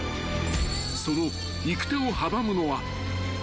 ［その行く手を阻むのは］